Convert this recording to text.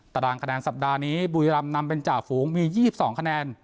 ตารางคะแนนสัปดาห์นี้บุรีรำนำเป็นจ่าฝูงมี๒๒คะแนน